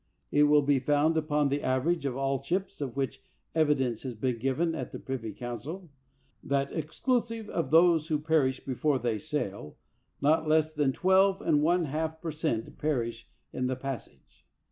It will be found, upon an average of all ships of which evidence has been given at the privy council, that exclusive of those who perish before they sail, not less than twelve and one half per cent, perish in the passage.